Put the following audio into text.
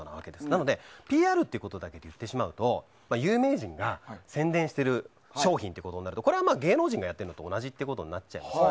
なのでＰＲということだけでいってしまうと有名人が宣伝している商品となるとこれは芸能人がやっているのと同じということになっちゃうんです。